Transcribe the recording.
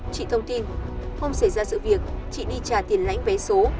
chị thông tin không xảy ra sự việc chị đi trả tiền lãnh vé số